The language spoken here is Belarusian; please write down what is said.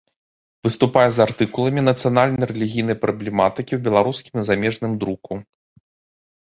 Выступае з артыкуламі нацыянальна-рэлігійнай праблематыкі ў беларускім і замежным друку.